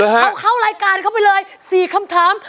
เขาเข้ารายการเข้าไปเลย๔คำถาม